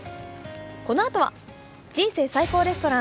このあとは、「人生最高レストラン」。